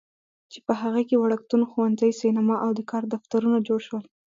چې په هغې کې وړکتون، ښوونځی، سینما او د کار دفترونه جوړ شول.